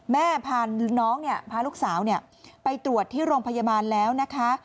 พาน้องพาลูกสาวไปตรวจที่โรงพยาบาลแล้วนะคะ